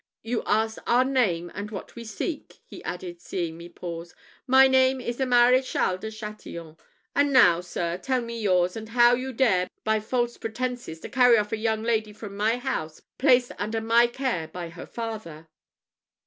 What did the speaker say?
You asked our name and what we seek," he added, seeing me pause. "My name is the Maréchal de Chatillon! and now, sir, tell me yours; and how you dare, by false pretences, to carry off a young lady from my house, placed under my care by her father?"